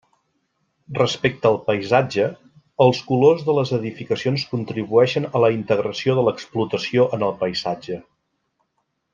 Respecte al paisatge, els colors de les edificacions contribueixen a la integració de l'explotació en el paisatge.